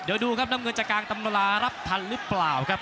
เดี๋ยวดูครับน้ำเงินจะกลางตำรารับทันหรือเปล่าครับ